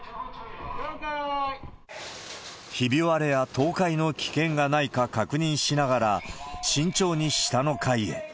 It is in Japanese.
ひび割れや倒壊の危険がないか確認しながら、慎重に下の階へ。